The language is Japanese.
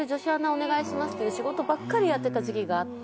お願いしますっていう仕事ばっかりやってた時期があって。